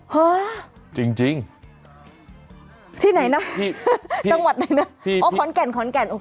ฮะจริงที่ไหนนะจังหวัดหนึ่งนะอ๋อขอนแก่นขอนแก่น